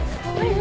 何？